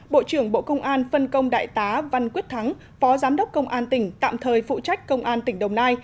bộ trưởng bộ công an phân công đại tá văn quyết thắng phó giám đốc công an tỉnh tạm thời phụ trách công an tỉnh đồng nai